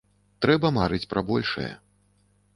Трэба марыць пра большае.